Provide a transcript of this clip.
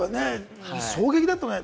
衝撃だったもんね。